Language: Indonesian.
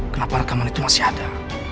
kenapa rekaman itu masih ada